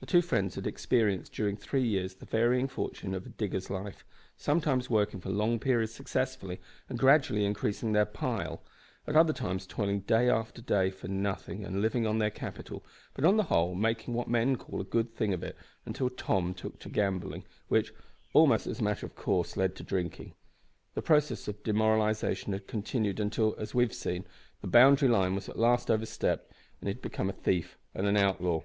The two friends had experienced during three years the varying fortune of a digger's life; sometimes working for long periods successfully, and gradually increasing their "pile;" at other times toiling day after day for nothing and living on their capital, but on the whole, making what men called a good thing of it until Tom took to gambling, which, almost as a matter of course, led to drinking. The process of demoralisation had continued until, as we have seen, the boundary line was at last overstepped, and he had become a thief and an outlaw.